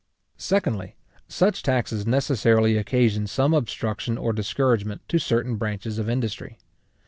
Secondly, such taxes necessarily occasion some obstruction or discouragement to certain branches of industry.